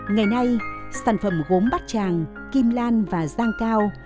ngày nay sản phẩm gốm bát tràng kim lan và giang cao